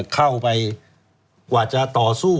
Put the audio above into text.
เข้าไปกว่าจะต่อสู้